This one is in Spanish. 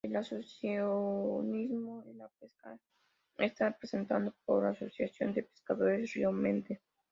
El asociacionismo en la pesca está representado por la Asociación de Pescadores Río Mente.